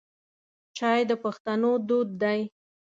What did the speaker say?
چای د پښتنو دود دی.